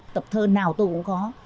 tập thơ nào tôi cũng có